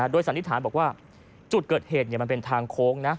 โดยสันนิษฐานบอกว่าจุดเกิดเหตุมันเป็นทางโค้งนะ